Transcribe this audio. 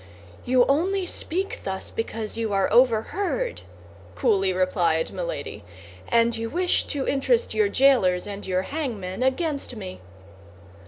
"You only speak thus because you are overheard," coolly replied Milady; "and you wish to interest your jailers and your hangmen against me."